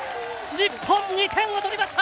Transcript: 日本、２点を取りました！